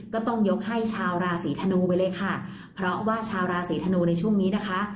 ก็ต้องยกให้ชาวราศีธนูไปเลยค่ะเพราะว่าชาวราศีธนูในช่วงนี้นะคะ